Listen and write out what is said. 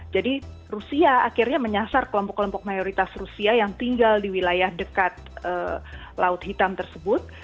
jadi rusia akhirnya menyasar kelompok kelompok mayoritas rusia yang tinggal di wilayah dekat laut hitam tersebut